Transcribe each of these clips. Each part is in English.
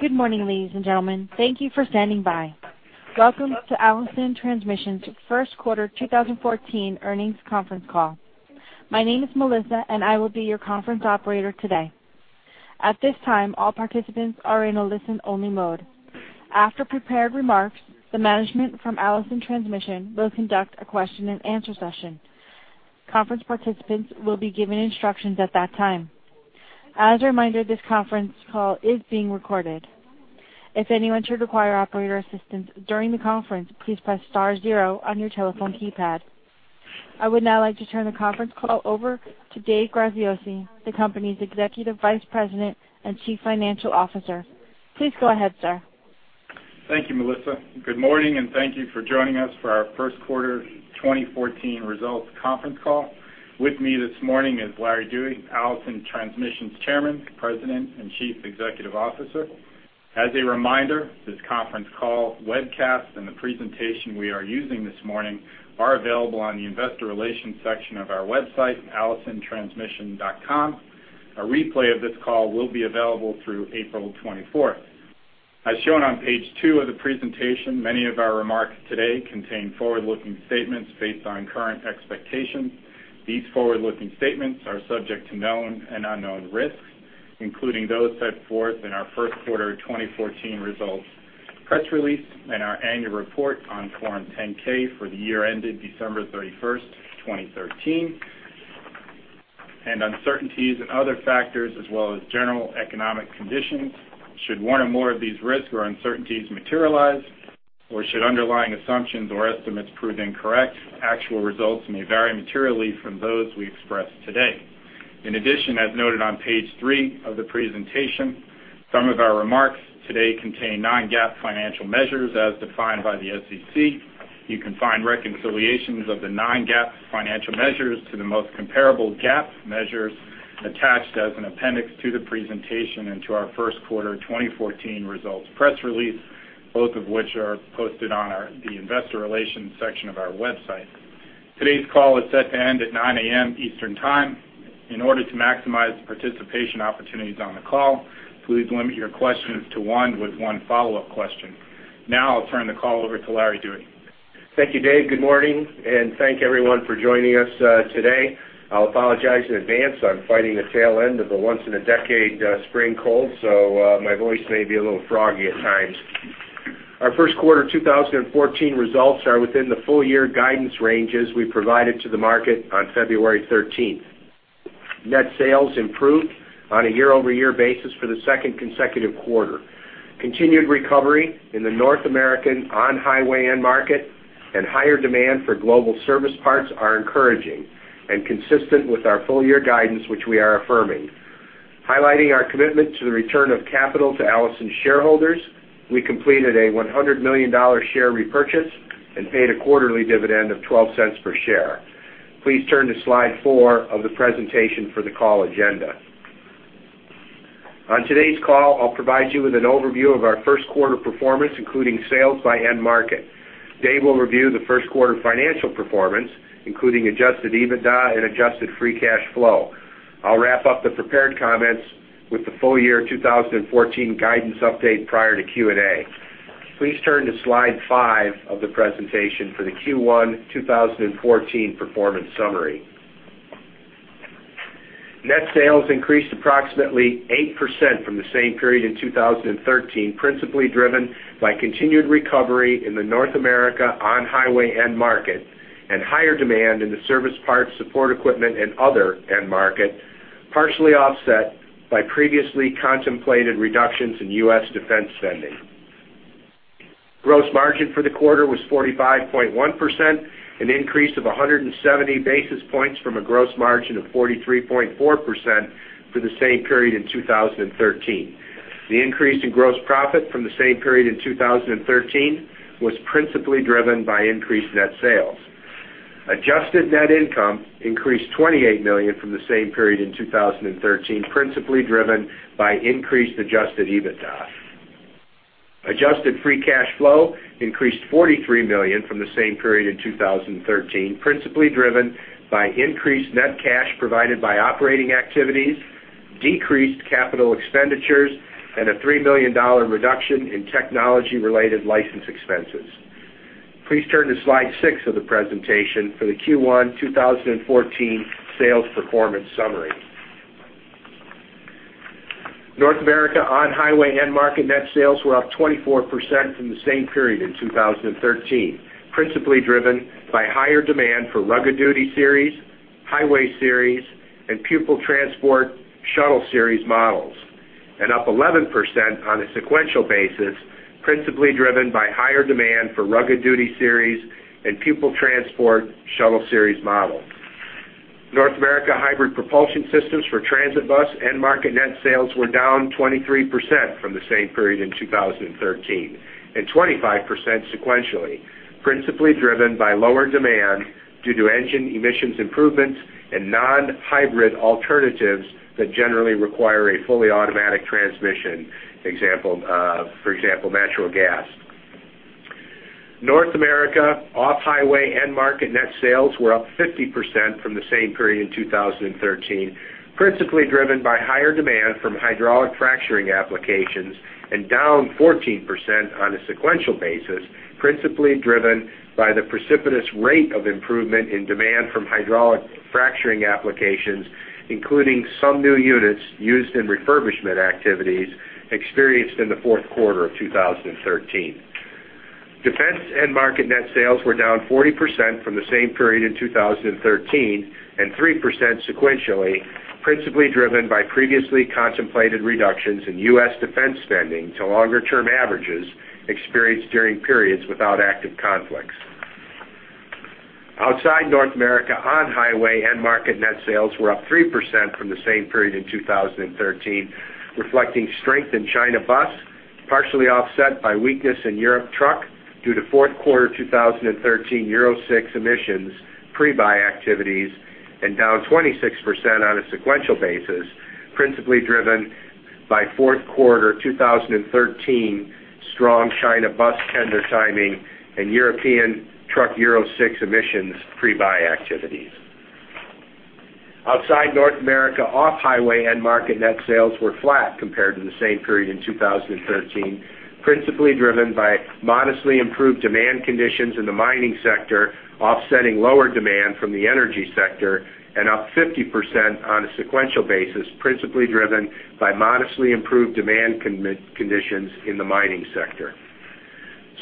Good morning, ladies and gentlemen. Thank you for standing by. Welcome to Allison Transmission's First Quarter 2014 Earnings Conference Call. My name is Melissa, and I will be your conference operator today. At this time, all participants are in a listen-only mode. After prepared remarks, the management from Allison Transmission will conduct a question-and-answer session. Conference participants will be given instructions at that time. As a reminder, this conference call is being recorded. If anyone should require operator assistance during the conference, please press star zero on your telephone keypad. I would now like to turn the conference call over to Dave Graziosi, the company's Executive Vice President and Chief Financial Officer. Please go ahead, sir. Thank you, Melissa. Good morning, and thank you for joining us for our First Quarter 2014 Results Conference Call. With me this morning is Larry Dewey, Allison Transmission's Chairman, President, and Chief Executive Officer. As a reminder, this conference call webcast and the presentation we are using this morning are available on the Investor Relations section of our website, allisontransmission.com. A replay of this call will be available through April 24. As shown on page two of the presentation, many of our remarks today contain forward-looking statements based on current expectations. These forward-looking statements are subject to known and unknown risks, including those set forth in our first quarter 2014 results press release and our annual report on Form 10-K for the year ended December 31st, 2013, and uncertainties and other factors as well as general economic conditions. Should one or more of these risks or uncertainties materialize, or should underlying assumptions or estimates prove incorrect, actual results may vary materially from those we express today. In addition, as noted on page three of the presentation, some of our remarks today contain non-GAAP financial measures as defined by the SEC. You can find reconciliations of the non-GAAP financial measures to the most comparable GAAP measures attached as an appendix to the presentation and to our first quarter 2014 results press release, both of which are posted on our, the investor relations section of our website. Today's call is set to end at 9 A.M. Eastern Time. In order to maximize participation opportunities on the call, please limit your questions to one with one follow-up question. Now I'll turn the call over to Larry Dewey. Thank you, Dave. Good morning, and thank everyone for joining us today. I'll apologize in advance. I'm fighting the tail end of the once-in-a-decade spring cold, so my voice may be a little froggy at times. Our first quarter 2014 results are within the full year guidance ranges we provided to the market on February 13th. Net sales improved on a year-over-year basis for the second consecutive quarter. Continued recovery in the North American On-Highway end market and higher demand for global service parts are encouraging and consistent with our full year guidance, which we are affirming. Highlighting our commitment to the return of capital to Allison shareholders, we completed a $100 million share repurchase and paid a quarterly dividend of $0.12 per share. Please turn to slide four of the presentation for the call agenda. On today's call, I'll provide you with an overview of our first quarter performance, including sales by end market. Dave will review the first quarter financial performance, including adjusted EBITDA and adjusted free cash flow. I'll wrap up the prepared comments with the full year 2014 guidance update prior to Q&A. Please turn to slide five of the presentation for the Q1 2014 performance summary. Net sales increased approximately 8% from the same period in 2013, principally driven by continued recovery in the North America On-Highway end market and higher demand in the service parts, support equipment, and other end market, partially offset by previously contemplated reductions in U.S. Defense spending. Gross margin for the quarter was 45.1%, an increase of 170 basis points from a gross margin of 43.4% for the same period in 2013. The increase in gross profit from the same period in 2013 was principally driven by increased net sales. Adjusted net income increased $28 million from the same period in 2013, principally driven by increased adjusted EBITDA. Adjusted free cash flow increased $43 million from the same period in 2013, principally driven by increased net cash provided by operating activities, decreased capital expenditures, and a $3 million reduction in technology-related license expenses. Please turn to slide six of the presentation for the Q1 2014 sales performance summary. North America On-Highway end market net sales were up 24% from the same period in 2013, principally driven by higher demand for Rugged Duty Series, Highway Series, and Pupil Transport/Shuttle Series models, and up 11% on a sequential basis, principally driven by higher demand for Rugged Duty Series and Pupil Transport/Shuttle Series models. North America hybrid propulsion systems for transit bus end market net sales were down 23% from the same period in 2013, and 25% sequentially, principally driven by lower demand due to engine emissions improvements and non-hybrid alternatives that generally require a fully automatic transmission, for example, natural gas. North America Off-Highway end market net sales were up 50% from the same period in 2013, principally driven by higher demand from hydraulic fracturing applications, and down 14% on a sequential basis, principally driven by the precipitous rate of improvement in demand from hydraulic fracturing applications, including some new units used in refurbishment activities experienced in the fourth quarter of 2013. Defense end market net sales were down 40% from the same period in 2013, and 3% sequentially, principally driven by previously contemplated reductions in U.S. defense spending to longer-term averages experienced during periods without active conflicts. Outside North America, On-Highway end market net sales were up 3% from the same period in 2013, reflecting strength in China bus, partially offset by weakness in European truck, due to fourth quarter 2013 Euro 6 emissions pre-buy activities, and down 26% on a sequential basis, principally driven by fourth quarter 2013 strong China bus tender timing and European truck Euro 6 emissions pre-buy activities. Outside North America, Off-Highway end market net sales were flat compared to the same period in 2013, principally driven by modestly improved demand conditions in the mining sector, offsetting lower demand from the energy sector, and up 50% on a sequential basis, principally driven by modestly improved demand conditions in the mining sector.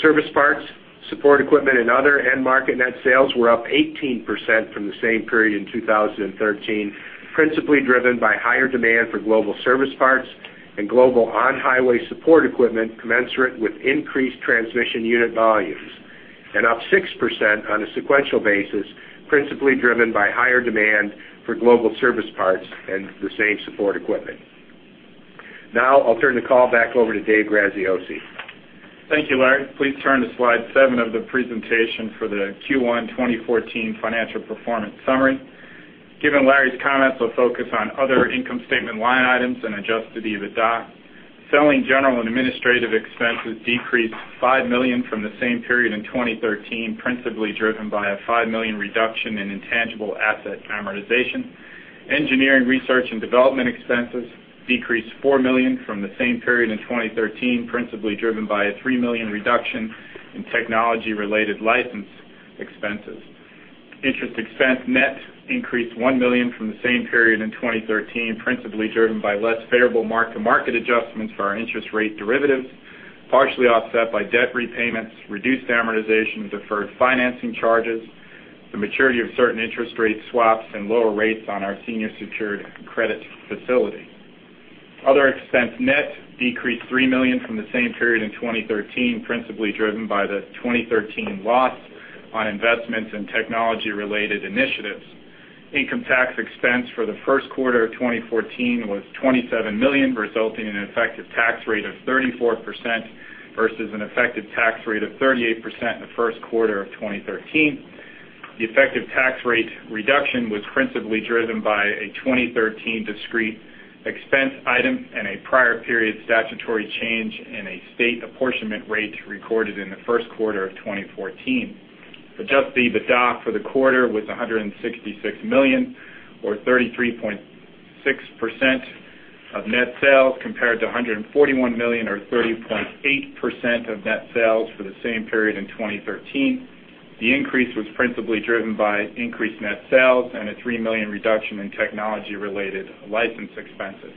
Service parts, support equipment, and other end market net sales were up 18% from the same period in 2013, principally driven by higher demand for global service parts and global On-Highway support equipment commensurate with increased transmission unit volumes, and up 6% on a sequential basis, principally driven by higher demand for global service parts and the same support equipment. Now I'll turn the call back over to Dave Graziosi. Thank you, Larry. Please turn to slide seven of the presentation for the Q1 2014 financial performance summary. Given Larry's comments, we'll focus on other income statement line items and adjusted EBITDA. Selling, general, and administrative expenses decreased $5 million from the same period in 2013, principally driven by a $5 million reduction in intangible asset amortization. Engineering, research, and development expenses decreased $4 million from the same period in 2013, principally driven by a $3 million reduction in technology-related license expenses. Interest expense net increased $1 million from the same period in 2013, principally driven by less favorable mark-to-market adjustments for our interest rate derivatives, partially offset by debt repayments, reduced amortization, deferred financing charges, the maturity of certain interest rate swaps, and lower rates on our senior secured credit facility. Other expense net decreased $3 million from the same period in 2013, principally driven by the 2013 loss on investments in technology-related initiatives. Income tax expense for the first quarter of 2014 was $27 million, resulting in an effective tax rate of 34% versus an effective tax rate of 38% in the first quarter of 2013. The effective tax rate reduction was principally driven by a 2013 discrete expense item and a prior period statutory change in a state apportionment rate recorded in the first quarter of 2014. Adjusted EBITDA for the quarter was $166 million, or 33.6% of net sales, compared to $141 million, or 30.8% of net sales for the same period in 2013. The increase was principally driven by increased net sales and a $3 million reduction in technology-related license expenses.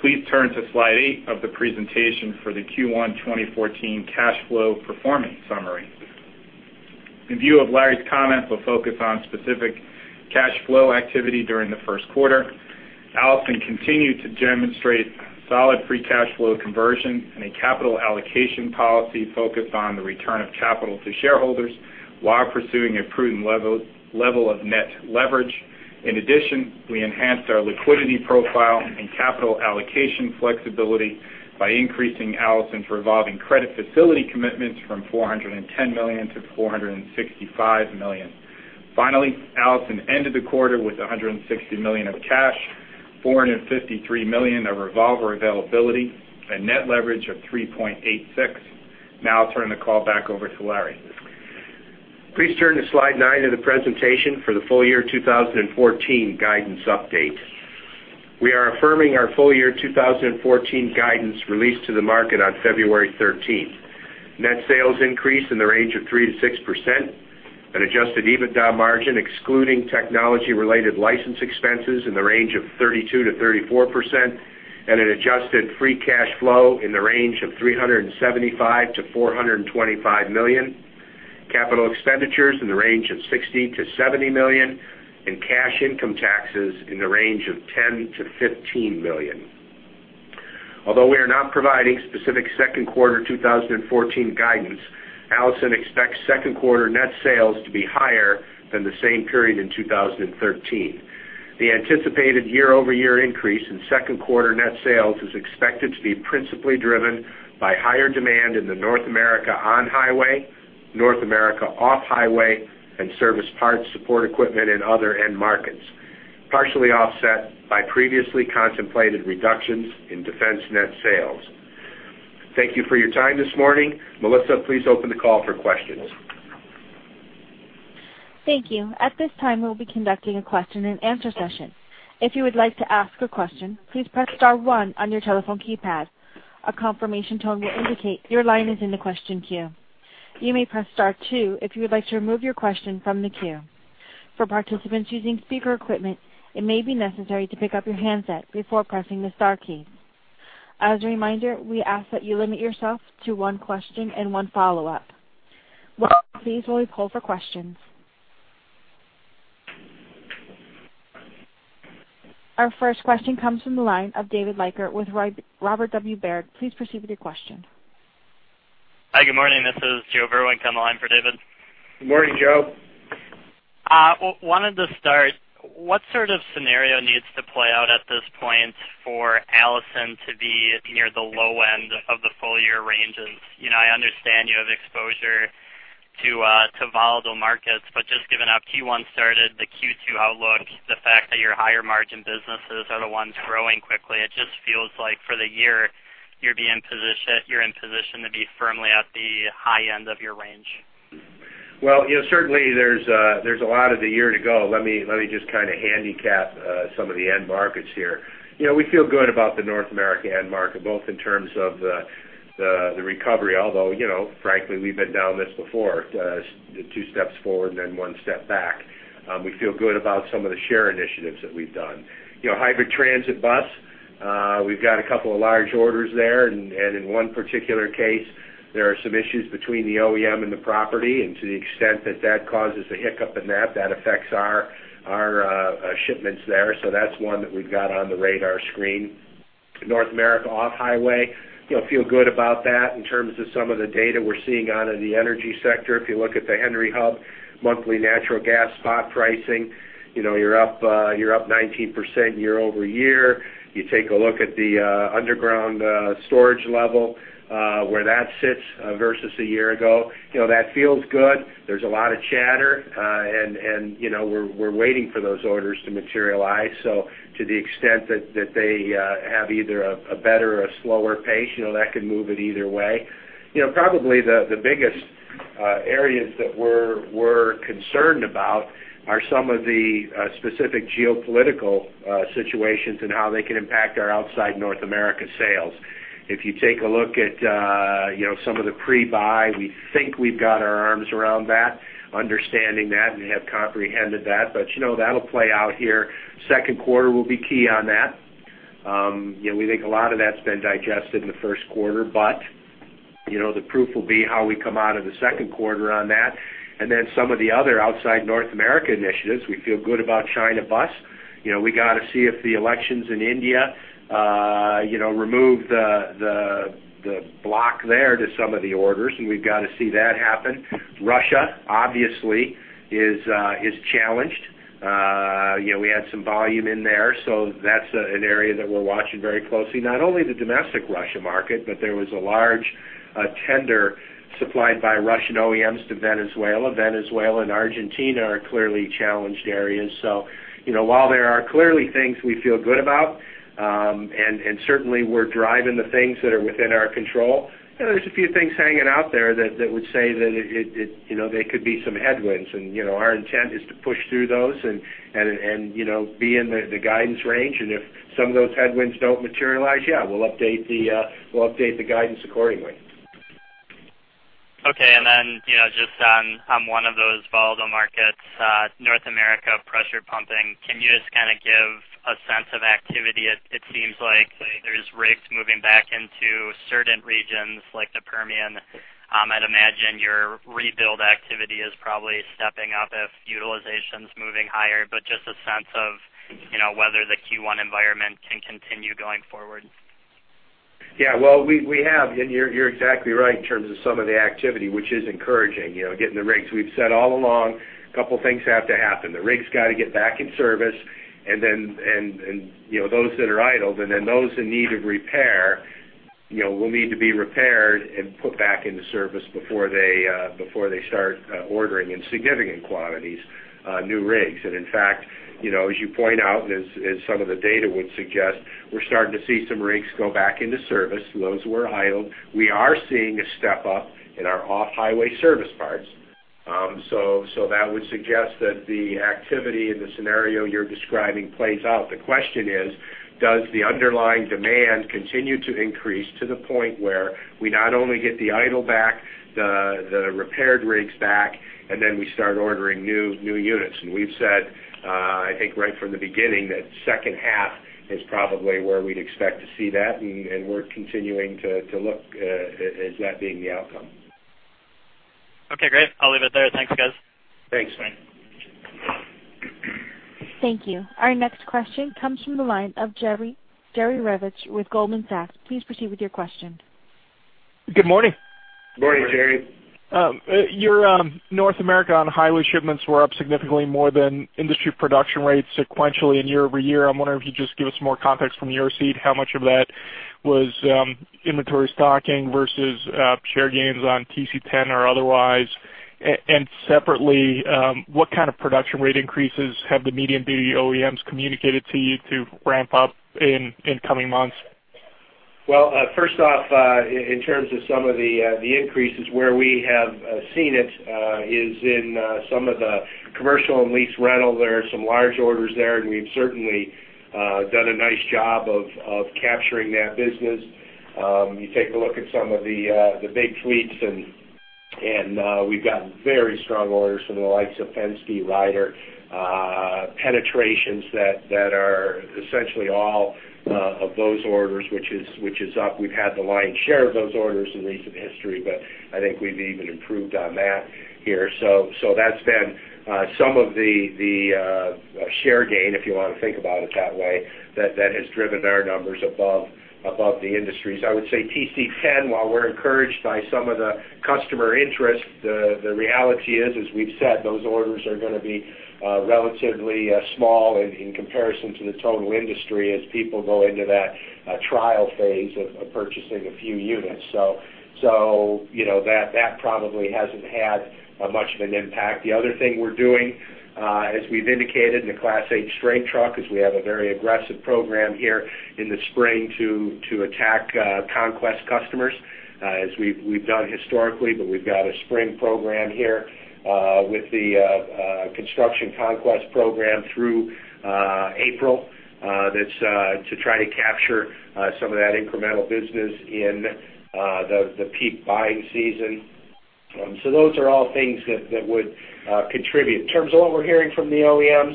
Please turn to slide eight of the presentation for the Q1 2014 cash flow performance summary. In view of Larry's comments, we'll focus on specific cash flow activity during the first quarter. Allison continued to demonstrate solid free cash flow conversion and a capital allocation policy focused on the return of capital to shareholders while pursuing a prudent level of net leverage. In addition, we enhanced our liquidity profile and capital allocation flexibility by increasing Allison's revolving credit facility commitments from $410 million to $465 million. Finally, Allison ended the quarter with $160 million of cash, $453 million of revolver availability, and net leverage of 3.86x. Now I'll turn the call back over to Larry. Please turn to slide nine of the presentation for the full year 2014 guidance update. We are affirming our full year 2014 guidance released to the market on February 13th. Net sales increase in the range of 3%-6%, an adjusted EBITDA margin, excluding technology-related license expenses, in the range of 32%-34%, and an adjusted free cash flow in the range of $375 million-$425 million. Capital expenditures in the range of $60 million-$70 million, and cash income taxes in the range of $10 million-$15 million. Although we are not providing specific second quarter 2014 guidance, Allison expects second quarter net sales to be higher than the same period in 2013. The anticipated year-over-year increase in second quarter net sales is expected to be principally driven by higher demand in the North America On-Highway, North America Off-Highway, and service parts, support equipment, and other end markets, partially offset by previously contemplated reductions in defense net sales. Thank you for your time this morning. Melissa, please open the call for questions. Thank you. At this time, we'll be conducting a question-and-answer session. If you would like to ask a question, please press star one on your telephone keypad. A confirmation tone will indicate your line is in the question queue. You may press star two if you would like to remove your question from the queue. For participants using speaker equipment, it may be necessary to pick up your handset before pressing the star key. As a reminder, we ask that you limit yourself to one question and one follow-up. Please slowly poll for questions. Our first question comes from the line of David Leiker with Robert W. Baird. Please proceed with your question. Hi, good morning. This is Joe Vruwink on the line for David. Good morning, Joe. Wanted to start, what sort of scenario needs to play out at this point for Allison to be near the low end of the full year ranges? You know, I understand you have exposure to, to volatile markets, but just given how Q1 started, the Q2 outlook, the fact that your higher margin businesses are the ones growing quickly, it just feels like for the year, you're being positioned, you're in position to be firmly at the high end of your range. Well, you know, certainly there's a lot of the year to go. Let me just kind of handicap some of the end markets here. You know, we feel good about the North America end market, both in terms of the recovery, although, you know, frankly, we've been down this before, the two steps forward and then one step back. We feel good about some of the share initiatives that we've done. You know, Hybrid Transit bus, we've got a couple of large orders there, and in one particular case, there are some issues between the OEM and the property, and to the extent that that causes a hiccup in that, that affects our shipments there. So that's one that we've got on the radar screen. North America Off-Highway, you know, feel good about that in terms of some of the data we're seeing out of the energy sector. If you look at the Henry Hub monthly natural gas spot pricing, you know, you're up 19% year-over-year. You take a look at the underground storage level, where that sits versus a year ago, you know, that feels good. There's a lot of chatter, and, you know, we're waiting for those orders to materialize. So to the extent that they have either a better or a slower pace, you know, that could move it either way. You know, probably the biggest areas that we're concerned about are some of the specific geopolitical situations and how they can impact our outside North America sales. If you take a look at, you know, some of the pre-buy, we think we've got our arms around that, understanding that and have comprehended that, but, you know, that'll play out here. Second quarter will be key on that. You know, we think a lot of that's been digested in the first quarter, but, you know, the proof will be how we come out of the second quarter on that. And then some of the other outside North America initiatives, we feel good about China bus. You know, we got to see if the elections in India, you know, remove the block there to some of the orders, and we've got to see that happen. Russia, obviously, is challenged. You know, we had some volume in there, so that's an area that we're watching very closely. Not only the domestic Russia market, but there was a large tender supplied by Russian OEMs to Venezuela. Venezuela and Argentina are clearly challenged areas. So, you know, while there are clearly things we feel good about, and, and certainly we're driving the things that are within our control, you know, there's a few things hanging out there that, that would say that it, it, you know, there could be some headwinds. And, you know, our intent is to push through those and, and, and, you know, be in the, the guidance range. And if some of those headwinds don't materialize, yeah, we'll update the, we'll update the guidance accordingly. Okay. And then, you know, just on, on one of those volatile markets, North America, pressure pumping, can you just kind of give a sense of activity? It seems like there's rigs moving back into certain regions like the Permian. I'd imagine your rebuild activity is probably stepping up if utilization's moving higher, but just a sense of, you know, whether the Q1 environment can continue going forward. Yeah, well, we have, and you're exactly right in terms of some of the activity, which is encouraging, you know, getting the rigs. We've said all along, a couple things have to happen. The rig's got to get back in service, and then, you know, those that are idled, and then those in need of repair, you know, will need to be repaired and put back into service before they before they start ordering in significant quantities new rigs. And in fact, you know, as you point out, and as some of the data would suggest, we're starting to see some rigs go back into service, those who were idled. We are seeing a step up in our Off-Highway service parts. So that would suggest that the activity in the scenario you're describing plays out. The question is, does the underlying demand continue to increase to the point where we not only get the idle back, the repaired rigs back, and then we start ordering new units? And we've said, I think right from the beginning, that second half is probably where we'd expect to see that, and we're continuing to look at that being the outcome. Okay, great. I'll leave it there. Thanks, guys. Thanks, Joe. Thank you. Our next question comes from the line of Jerry, Jerry Revich with Goldman Sachs. Please proceed with your question. Good morning. Good morning, Jerry. Your North America On-Highway shipments were up significantly more than industry production rates sequentially and year over year. I'm wondering if you just give us more context from your seat, how much of that was inventory stocking versus share gains on TC10 or otherwise? And separately, what kind of production rate increases have the medium-duty OEMs communicated to you to ramp up in coming months? Well, first off, in terms of some of the increases, where we have seen it is in some of the commercial and lease rental. There are some large orders there, and we've certainly done a nice job of capturing that business. You take a look at some of the big fleets, and we've gotten very strong orders from the likes of Penske, Ryder, penetrations that are essentially all of those orders, which is up. We've had the lion's share of those orders in recent history, but I think we've even improved on that here. So that's been some of the share gain, if you want to think about it that way, that has driven our numbers above the industry. So I would say TC10, while we're encouraged by some of the customer interest, the reality is, as we've said, those orders are going to be relatively small in comparison to the total industry as people go into that trial phase of purchasing a few units. So you know, that probably hasn't had much of an impact. The other thing we're doing, as we've indicated in the Class 8 straight truck, is we have a very aggressive program here in the spring to attack conquest customers, as we've done historically. But we've got a spring program here with the construction conquest program through April, that's to try to capture some of that incremental business in the peak buying season. So those are all things that would contribute. In terms of what we're hearing from the OEMs,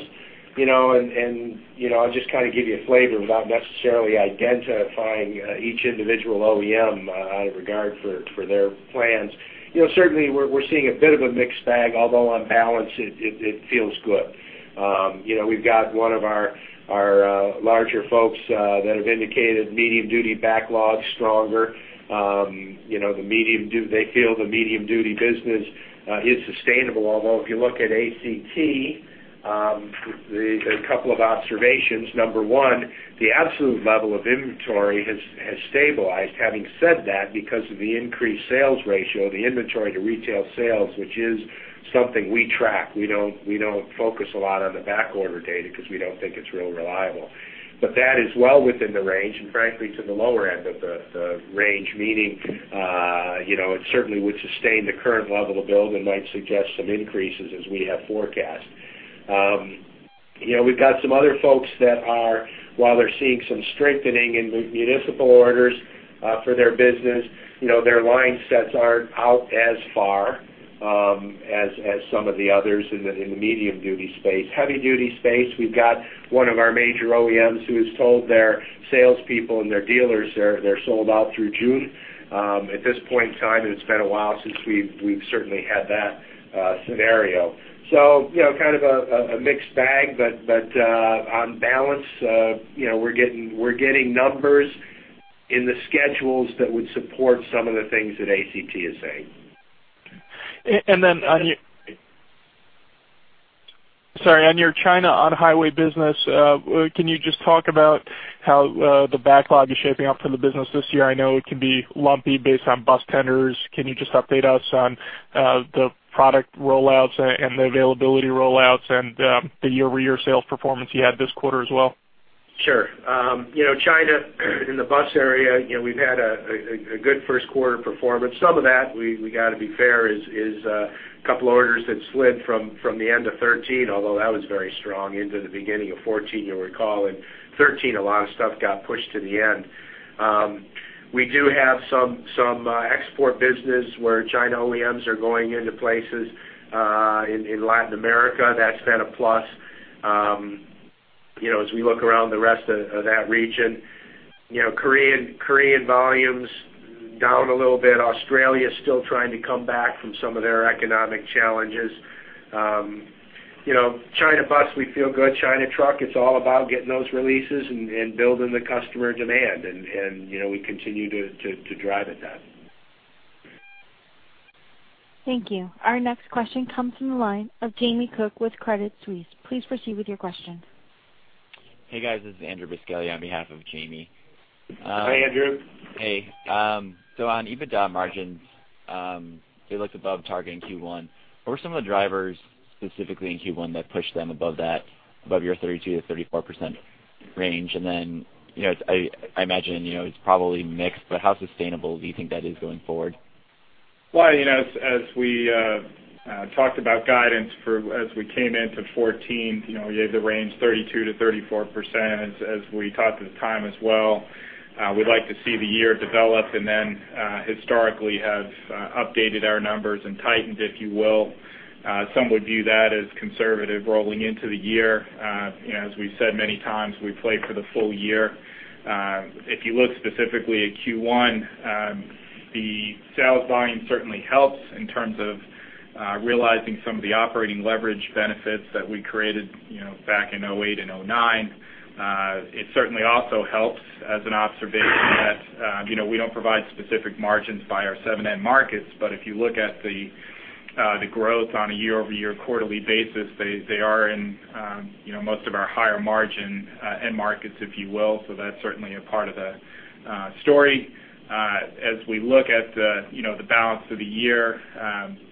you know, and you know, I'll just kind of give you a flavor without necessarily identifying each individual OEM out of regard for their plans. You know, certainly, we're seeing a bit of a mixed bag, although on balance, it feels good. You know, we've got one of our larger folks that have indicated medium-duty backlog stronger. You know, they feel the medium-duty business is sustainable. Although, if you look at ACT, a couple of observations. Number one, the absolute level of inventory has stabilized. Having said that, because of the increased sales ratio, the inventory to retail sales, which is something we track, we don't focus a lot on the backorder data because we don't think it's really reliable. But that is well within the range, and frankly, to the lower end of the range, meaning, you know, it certainly would sustain the current level of build and might suggest some increases as we have forecast. You know, we've got some other folks that are, while they're seeing some strengthening in the municipal orders, for their business, you know, their line sets aren't out as far, as some of the others in the medium-duty space. Heavy-duty space, we've got one of our major OEMs who has told their salespeople and their dealers they're, they're sold out through June, at this point in time, and it's been a while since we've, we've certainly had that, scenario. So, you know, kind of a mixed bag, but, on balance, you know, we're getting, we're getting numbers in the schedules that would support some of the things that ACT is saying. And then on your China On-Highway business. Sorry, on your China On-Highway business, can you just talk about how the backlog is shaping up for the business this year? I know it can be lumpy based on bus tenders. Can you just update us on the product rollouts and the availability rollouts and the year-over-year sales performance you had this quarter as well? Sure. You know, China, in the bus area, you know, we've had a good first quarter performance. Some of that, we got to be fair, is a couple orders that slid from the end of 2013, although that was very strong, into the beginning of 2014. You'll recall in 2013, a lot of stuff got pushed to the end. We do have some export business where China OEMs are going into places in Latin America. That's been a plus. You know, as we look around the rest of that region, you know, Korean volumes down a little bit. Australia is still trying to come back from some of their economic challenges. You know, China bus, we feel good. China truck, it's all about getting those releases and building the customer demand, and you know, we continue to drive at that. Thank you. Our next question comes from the line of Jamie Cook with Credit Suisse. Please proceed with your question. Hey, guys. This is Andrew Buscaglia on behalf of Jamie. Hey, Andrew. Hey. So on EBITDA margins, they looked above target in Q1. What were some of the drivers, specifically in Q1, that pushed them above that, above your 32%-34% range? And then, you know, I, I imagine, you know, it's probably mixed, but how sustainable do you think that is going forward? Well, you know, as we talked about guidance for, as we came into 2014, you know, we had the range 32%-34%. As we talked at the time as well, we'd like to see the year develop and then historically have updated our numbers and tightened, if you will. You know, as we've said many times, we play for the full year. If you look specifically at Q1, the sales volume certainly helps in terms of realizing some of the operating leverage benefits that we created, you know, back in 2008 and 2009. It certainly also helps as an observation that, you know, we don't provide specific margins by our seven end markets. But if you look at the, the growth on a year-over-year quarterly basis, they, they are in, you know, most of our higher margin end markets, if you will, so that's certainly a part of the story. As we look at the, you know, the balance of the year,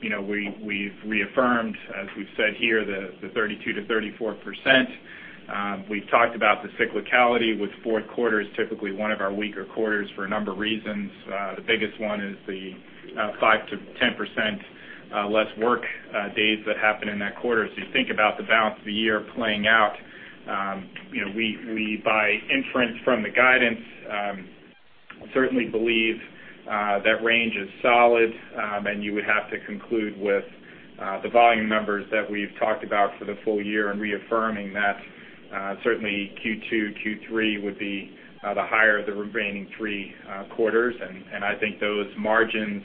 you know, we, we've reaffirmed, as we've said here, the, the 32%-34%. We've talked about the cyclicality with fourth quarter is typically one of our weaker quarters for a number of reasons. The biggest one is the, 5%-10% less work days that happen in that quarter. So as you think about the balance of the year playing out, you know, we by inference from the guidance certainly believe that range is solid, and you would have to conclude with the volume numbers that we've talked about for the full year and reaffirming that certainly Q2, Q3 would be the higher of the remaining three quarters. I think those margins,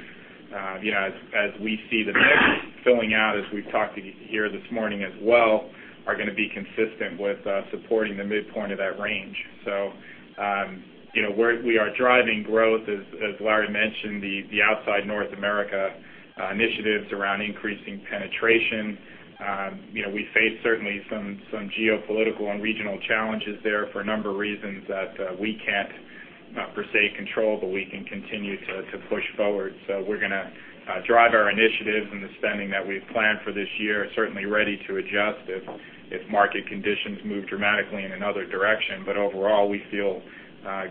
you know, as we see the mix filling out, as we've talked here this morning as well, are gonna be consistent with supporting the midpoint of that range. So you know, we are driving growth, as Larry mentioned, the outside North America initiatives around increasing penetration. You know, we face certainly some geopolitical and regional challenges there for a number of reasons that we can't, not per se, control, but we can continue to push forward. So we're gonna drive our initiatives and the spending that we've planned for this year, certainly ready to adjust if market conditions move dramatically in another direction. But overall, we feel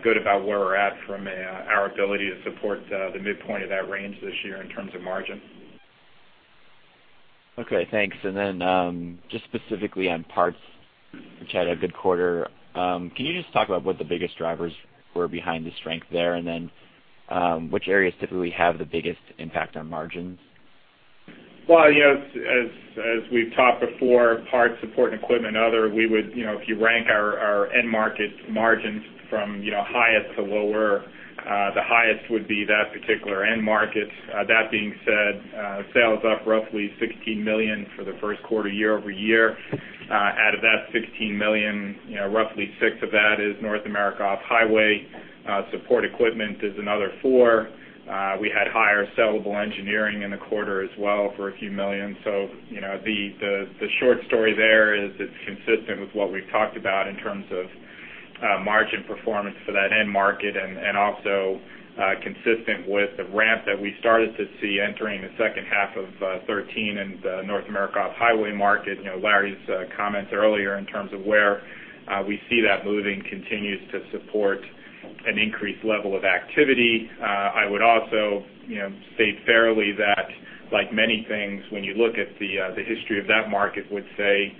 good about where we're at from our ability to support the midpoint of that range this year in terms of margin. Okay, thanks. And then, just specifically on parts, which had a good quarter, can you just talk about what the biggest drivers were behind the strength there? And then, which areas typically have the biggest impact on margins? Well, you know, as we've talked before, parts, support and equipment and other, we would, you know, if you rank our end market margins from, you know, highest to lower, the highest would be that particular end market. That being said, sales up roughly $16 million for the first quarter year-over-year. Out of that $16 million, you know, roughly $6 million of that is North America Off-Highway. Support equipment is another $4 million. We had higher sellable engineering in the quarter as well for a few million. So, you know, the short story there is it's consistent with what we've talked about in terms of margin performance for that end market and also consistent with the ramp that we started to see entering the second half of 2013 in the North America Off-Highway market. You know, Larry's comments earlier in terms of where we see that moving continues to support an increased level of activity. I would also, you know, state fairly that, like many things, when you look at the history of that market, would say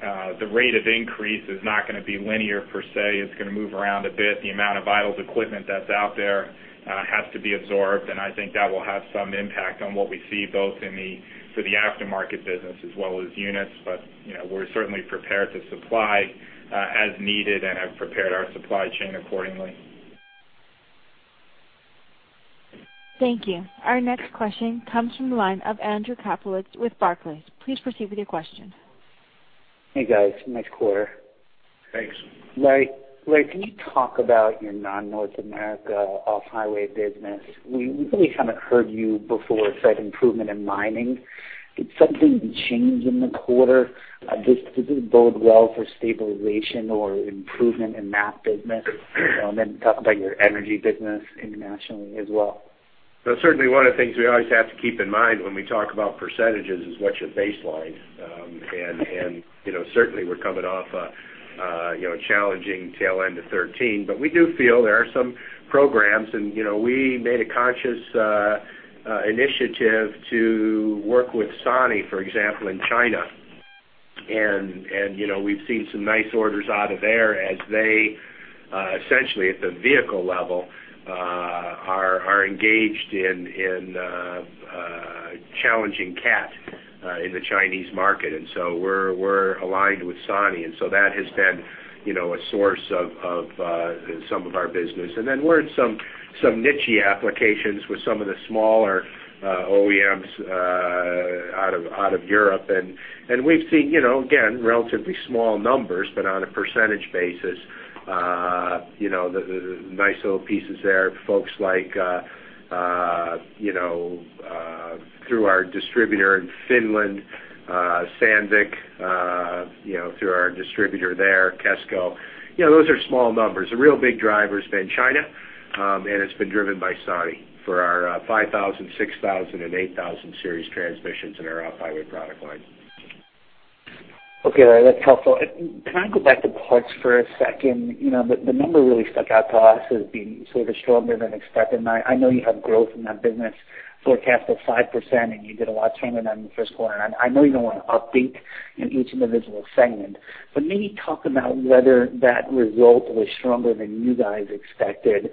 the rate of increase is not gonna be linear per se. It's gonna move around a bit. The amount of idle equipment that's out there has to be absorbed, and I think that will have some impact on what we see, both for the aftermarket business as well as units. But, you know, we're certainly prepared to supply as needed and have prepared our supply chain accordingly. Thank you. Our next question comes from the line of Andrew Kaplowitz with Barclays. Please proceed with your question. Hey, guys, nice quarter. Thanks. Larry, Larry, can you talk about your non-North America Off-Highway business? We really haven't heard you before citing improvement in mining. Did something change in the quarter, just to bode well for stabilization or improvement in that business? And then talk about your energy business internationally as well. So certainly one of the things we always have to keep in mind when we talk about percentages is what's your baseline? And you know, certainly we're coming off a you know, challenging tail end to 2013. But we do feel there are some programs, and you know, we made a conscious initiative to work with SANY, for example, in China. And you know, we've seen some nice orders out of there as they essentially, at the vehicle level, are engaged in challenging Cat in the Chinese market. And so we're aligned with SANY, and so that has been you know, a source of some of our business. And then we're in some niche-y applications with some of the smaller OEMs out of Europe. We've seen, you know, again, relatively small numbers, but on a percentage basis, you know, the nice little pieces there. Folks like, you know, through our distributor in Finland, Sandvik, you know, through our distributor there, Kesko. You know, those are small numbers. The real big driver has been China, and it's been driven by SANY for our 5000, 6000, and 8000 Series transmissions in our Off-Highway product line. Okay, Larry, that's helpful. Can I go back to parts for a second? You know, the number really stuck out to us as being sort of stronger than expected. I know you have growth in that business forecast of 5%, and you did a lot stronger than the first quarter. And I know you don't want to update in each individual segment, but maybe talk about whether that result was stronger than you guys expected,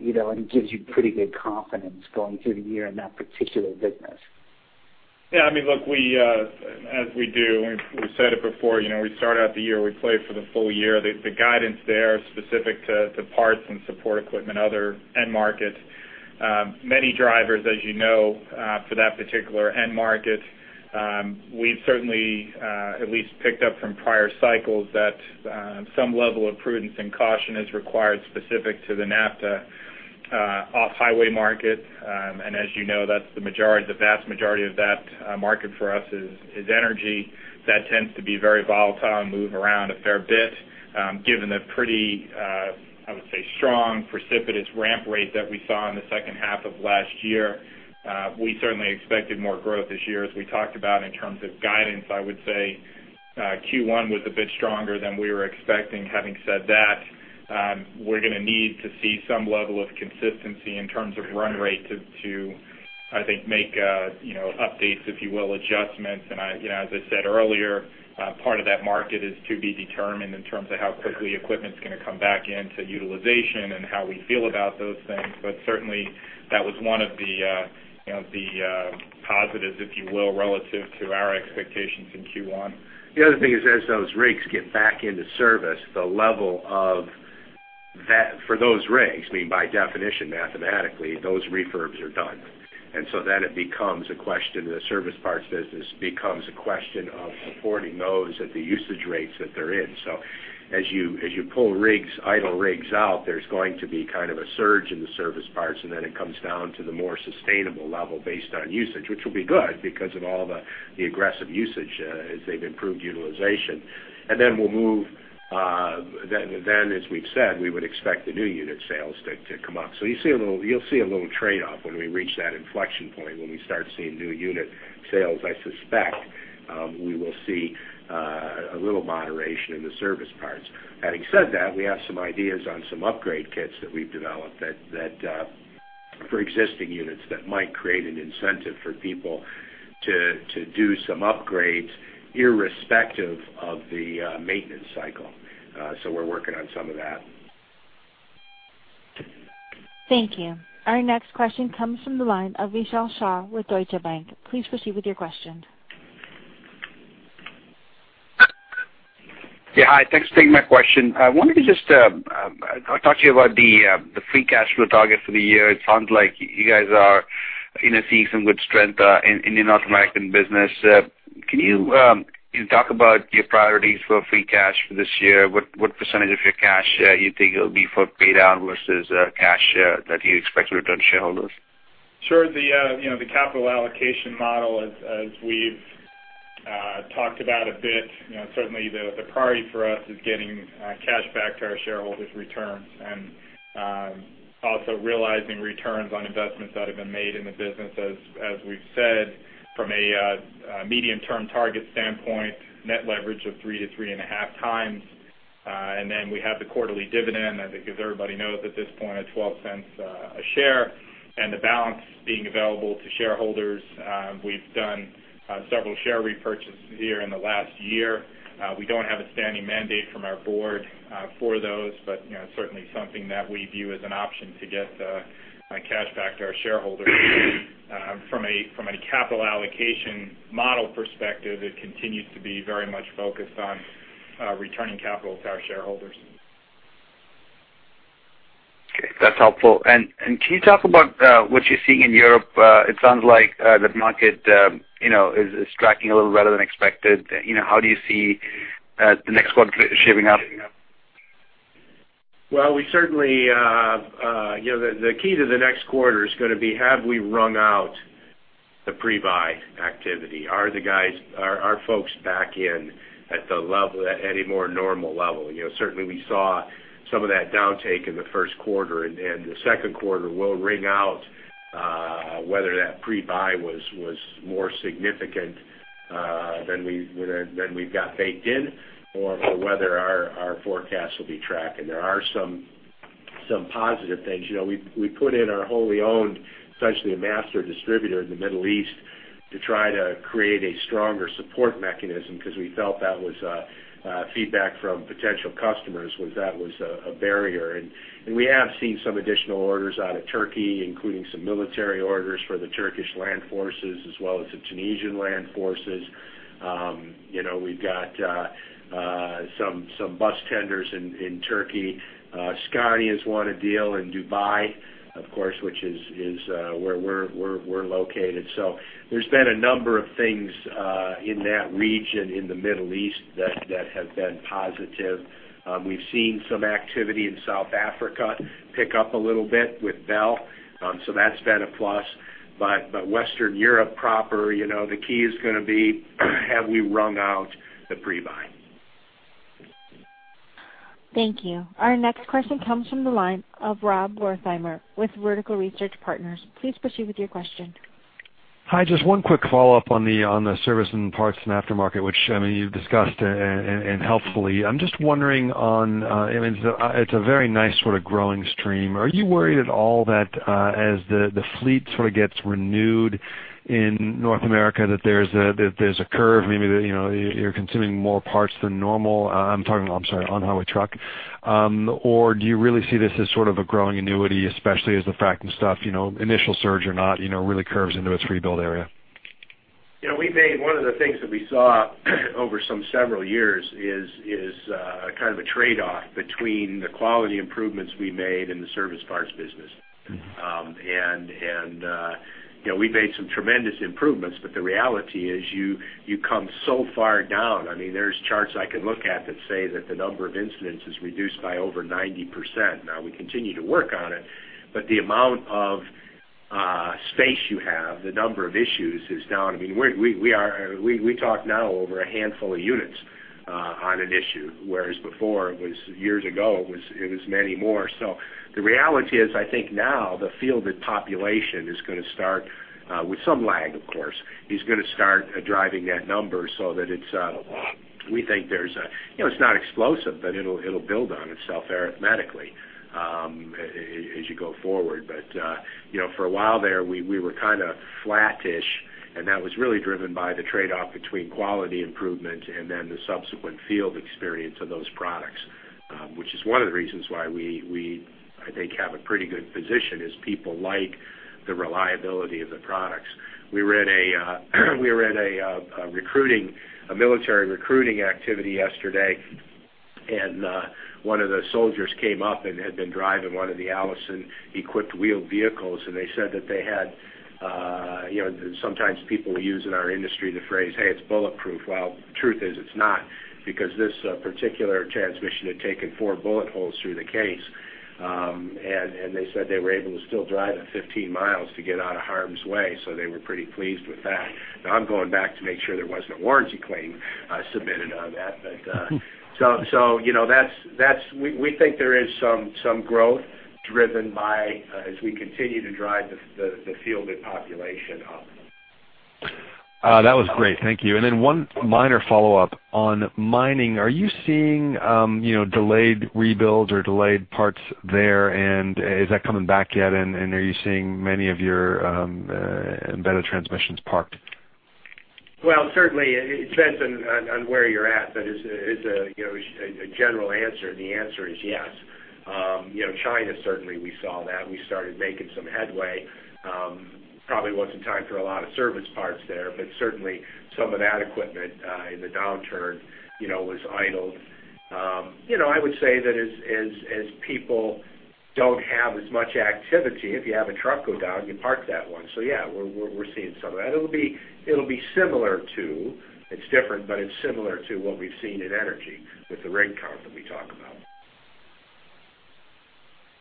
you know, and gives you pretty good confidence going through the year in that particular business. Yeah, I mean, look, we, as we do, and we've said it before, you know, we start out the year, we play for the full year. The guidance there is specific to parts and support equipment, other end markets. Many drivers, as you know, for that particular end market, we've certainly at least picked up from prior cycles that some level of prudence and caution is required specific to the NAFTA Off-Highway market. And as you know, that's the majority, the vast majority of that market for us is energy. That tends to be very volatile and move around a fair bit, given the pretty, I would say, strong, precipitous ramp rate that we saw in the second half of last year. We certainly expected more growth this year, as we talked about in terms of guidance. I would say, Q1 was a bit stronger than we were expecting. Having said that, we're gonna need to see some level of consistency in terms of run rate to, I think, make, you know, updates, if you will, adjustments. And I, you know, as I said earlier, part of that market is to be determined in terms of how quickly equipment's gonna come back into utilization and how we feel about those things. But certainly, that was one of the, you know, the positives, if you will, relative to our expectations in Q1. The other thing is, as those rigs get back into service, the level of that, for those rigs, I mean, by definition, mathematically, those refurbs are done. And so then it becomes a question, the service parts business becomes a question of supporting those at the usage rates that they're in. So as you pull idle rigs out, there's going to be kind of a surge in the service parts, and then it comes down to the more sustainable level based on usage, which will be good because of all the aggressive usage as they've improved utilization. And then we'll move, then, as we've said, we would expect the new unit sales to come up. So you'll see a little trade-off when we reach that inflection point, when we start seeing new unit sales. I suspect, we will see a little moderation in the service parts. Having said that, we have some ideas on some upgrade kits that we've developed that for existing units, that might create an incentive for people to do some upgrades, irrespective of the maintenance cycle. So we're working on some of that. Thank you. Our next question comes from the line of Vishal Shah with Deutsche Bank. Please proceed with your question. Yeah, hi. Thanks for taking my question. I wanted to just talk to you about the free cash flow target for the year. It sounds like you guys are, you know, seeing some good strength in the North American business. Can you talk about your priorities for free cash for this year? What percentage of your cash you think it'll be for paydown versus cash that you expect to return to shareholders? Sure. The, you know, the capital allocation model, as, as we've talked about a bit, you know, certainly the, the priority for us is getting cash back to our shareholders' returns, and, also realizing returns on investments that have been made in the business. As, as we've said, from a, a medium-term target standpoint, net leverage of 3x-3.5x, and then we have the quarterly dividend, I think as everybody knows at this point, at $0.12 a share, and the balance being available to shareholders. We've done several share repurchases here in the last year. We don't have a standing mandate from our board, for those, but, you know, certainly something that we view as an option to get cash back to our shareholders. From a capital allocation model perspective, it continues to be very much focused on returning capital to our shareholders. Okay, that's helpful. And can you talk about what you're seeing in Europe? It sounds like the market, you know, is tracking a little better than expected. You know, how do you see the next quarter shaping up? Well, we certainly. You know, the key to the next quarter is gonna be, have we rung out the pre-buy activity? Are the guys, folks back in at the level, at a more normal level? You know, certainly we saw some of that downtake in the first quarter, and the second quarter will wring out whether that pre-buy was more significant than we've got baked in, or whether our forecasts will be tracking. There are some positive things. You know, we put in our wholly owned, essentially a master distributor in the Middle East to try to create a stronger support mechanism because we felt that was feedback from potential customers, that was a barrier. And we have seen some additional orders out of Turkey, including some military orders for the Turkish Land Forces as well as the Tunisian Land Forces. You know, we've got some bus tenders in Turkey. [Scania] has won a deal in Dubai, of course, which is where we're located. So there's been a number of things in that region, in the Middle East, that have been positive. We've seen some activity in South Africa pick up a little bit with Bell, so that's been a plus. But Western Europe proper, you know, the key is gonna be, have we rung out the pre-buy? Thank you. Our next question comes from the line of Rob Wertheimer with Vertical Research Partners. Please proceed with your question. Hi, just one quick follow-up on the, on the service and parts and aftermarket, which, I mean, you've discussed and helpfully. I'm just wondering on, I mean, it's a very nice sort of growing stream. Are you worried at all that, as the, the fleet sort of gets renewed in North America, that there's a, that there's a curve, maybe that, you know, you're consuming more parts than normal? I'm talking, I'm sorry, On-Highway truck. Or do you really see this as sort of a growing annuity, especially as the fracking stuff, you know, initial surge or not, you know, really curves into its free build area? You know, we made one of the things that we saw over some several years is kind of a trade-off between the quality improvements we made in the service parts business. Mm-hmm. And, you know, we've made some tremendous improvements, but the reality is you come so far down. I mean, there's charts I can look at that say that the number of incidents is reduced by over 90%. Now we continue to work on it, but the amount of space you have, the number of issues is down. I mean, we are, we talk now over a handful of units on an issue, whereas before it was years ago, it was many more. So the reality is, I think now the fielded population is gonna start, with some lag, of course, is gonna start driving that number so that it's, we think there's a, you know, it's not explosive, but it'll build on itself arithmetically, as you go forward. You know, for a while there, we were kind of flattish, and that was really driven by the trade-off between quality improvement and then the subsequent field experience of those products, which is one of the reasons why we, I think, have a pretty good position, is people like the reliability of the products. We were at a military recruiting activity yesterday, and one of the soldiers came up and had been driving one of the Allison-equipped wheeled vehicles, and they said that they had, you know, sometimes people use in our industry the phrase, "Hey, it's bulletproof." Well, the truth is it's not, because this particular transmission had taken four bullet holes through the case, and they said they were able to still drive it 15 mi to get out of harm's way, so they were pretty pleased with that. Now I'm going back to make sure there wasn't a warranty claim submitted on that. But, so, you know, that's, we think there is some growth driven by, as we continue to drive the fielded population up. That was great. Thank you. And then one minor follow-up on mining. Are you seeing, you know, delayed rebuilds or delayed parts there? And, is that coming back yet, and are you seeing many of your embedded transmissions parked? Well, certainly it depends on where you're at, but it's a, you know, a general answer, and the answer is yes. You know, China, certainly we saw that. We started making some headway. Probably wasn't time for a lot of service parts there, but certainly some of that equipment in the downturn you know was idled. You know, I would say that as people don't have as much activity, if you have a truck go down, you park that one. So yeah, we're seeing some of that. It'll be similar to, it's different, but it's similar to what we've seen in energy with the rig count that we talk about.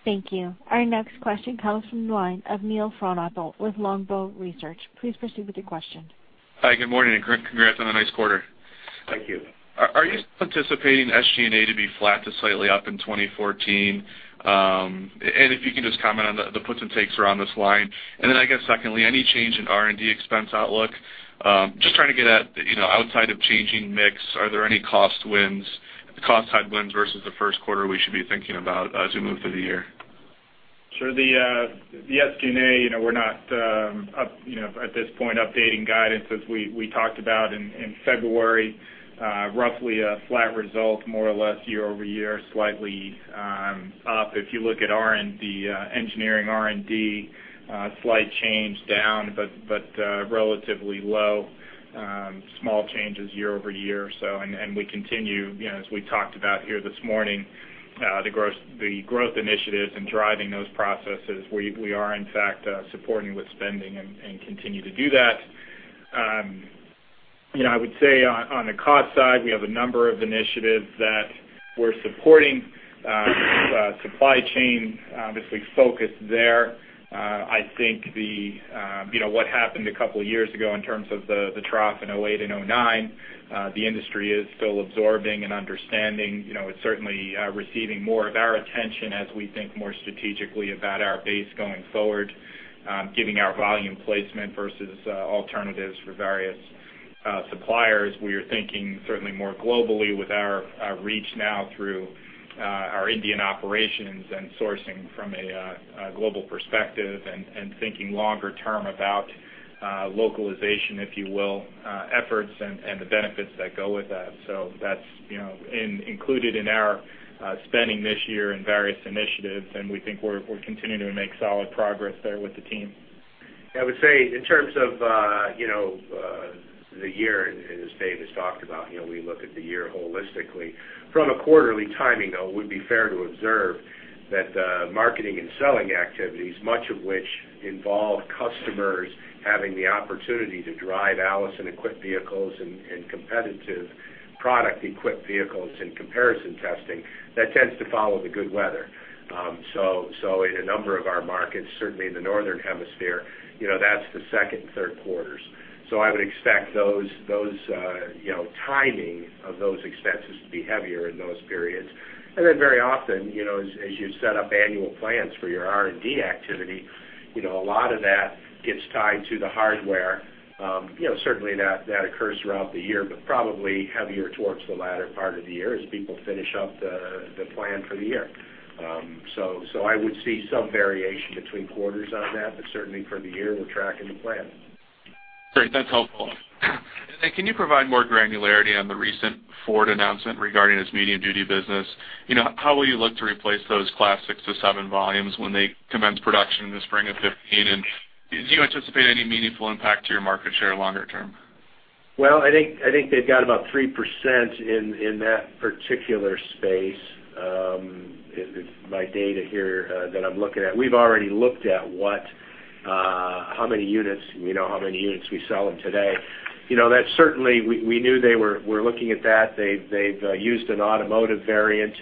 Thank you. Our next question comes from the line of Neil Frohnapple with Longbow Research. Please proceed with your question. Hi, good morning, and congrats on a nice quarter. Thank you. Are you anticipating SG&A to be flat to slightly up in 2014? And if you can just comment on the puts and takes around this line. And then, I guess, secondly, any change in R&D expense outlook? Just trying to get at, you know, outside of changing mix, are there any cost wins, cost side wins versus the first quarter we should be thinking about as we move through the year? Sure. The SG&A, you know, we're not up, you know, at this point, updating guidance. As we talked about in February, roughly a flat result more or less year-over-year, slightly up. If you look at R&D, engineering R&D, slight change down, but relatively low, small changes year-over-year. So, we continue, you know, as we talked about here this morning, the growth initiatives and driving those processes, we are in fact supporting with spending and continue to do that. You know, I would say on the cost side, we have a number of initiatives that we're supporting, supply chain, obviously focused there. I think the, you know, what happened a couple of years ago in terms of the, the trough in 2008 and 2009, the industry is still absorbing and understanding. You know, it's certainly receiving more of our attention as we think more strategically about our base going forward, giving our volume placement versus alternatives for various suppliers. We are thinking certainly more globally with our reach now through our Indian operations and sourcing from a global perspective and thinking longer term about localization, if you will, efforts and the benefits that go with that. So that's, you know, included in our spending this year in various initiatives, and we think we're continuing to make solid progress there with the team. I would say in terms of, you know, the year, and as Dave has talked about, you know, we look at the year holistically. From a quarterly timing, though, it would be fair to observe that, marketing and selling activities, much of which involve customers having the opportunity to drive Allison-equipped vehicles and competitive product-equipped vehicles and comparison testing, that tends to follow the good weather. So in a number of our markets, certainly in the Northern Hemisphere, you know, that's the second and third quarters. So I would expect those, you know, timing of those expenses to be heavier in those periods. And then very often, you know, as you set up annual plans for your R&D activity, you know, a lot of that gets tied to the hardware. You know, certainly that occurs throughout the year, but probably heavier towards the latter part of the year as people finish up the plan for the year. So, I would see some variation between quarters on that, but certainly for the year, we're tracking the plan. Great. That's helpful. And then can you provide more granularity on the recent Ford announcement regarding its medium-duty business? You know, how will you look to replace those Class 6-7 volumes when they commence production in the spring of 2015? And do you anticipate any meaningful impact to your market share longer term? Well, I think they've got about 3% in that particular space, is my data here that I'm looking at. We've already looked at what, how many units, we know how many units we sell them today. You know, that certainly, we knew they were looking at that. They've used an automotive variant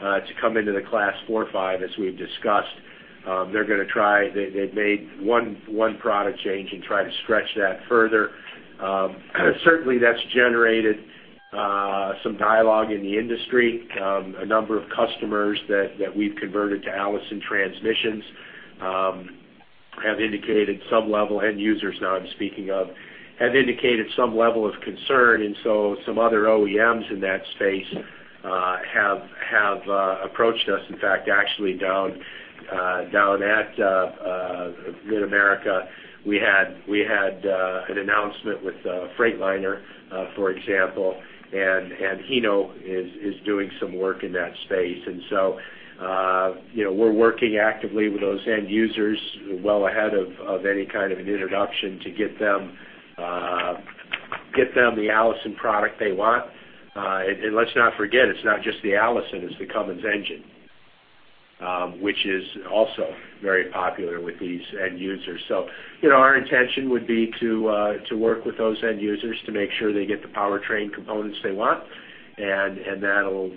to come into the Class 4-5, as we've discussed. They're gonna try, they've made one product change and try to stretch that further. Certainly, that's generated some dialogue in the industry. A number of customers that we've converted to Allison transmissions have indicated some level, end users now I'm speaking of, have indicated some level of concern, and so some other OEMs in that space have approached us. In fact, actually, down at Mid-America, we had an announcement with Freightliner, for example, and Hino is doing some work in that space. And so, you know, we're working actively with those end users well ahead of any kind of an introduction to get them the Allison product they want. And let's not forget, it's not just the Allison, it's the Cummins engine, which is also very popular with these end users. So, you know, our intention would be to work with those end users to make sure they get the powertrain components they want, and that'll